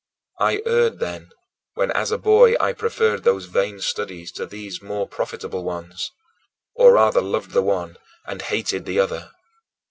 I erred, then, when as a boy I preferred those vain studies to these more profitable ones, or rather loved the one and hated the other.